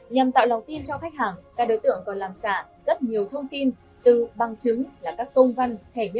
nhằm tạo lòng tin cho khách hàng các đối tượng còn làm xả rất nhiều thông tin từ bằng chứng là các công văn thẻ nhân viên được làm giả mạo để khách hàng tin tưởng